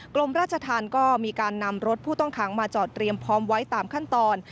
กรมราชธรรมก็มีการนำรถผู้ต้องขังมาจอดเรียมพร้อมไว้ตามขั้นตอน